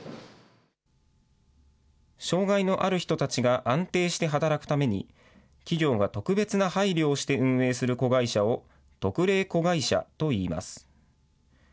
障害のある人たちが安定して働くために、企業が特別な配慮をして運営する子会社を、特例子会社と言います。